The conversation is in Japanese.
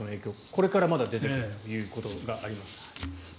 これからまだ出てくるということがあります。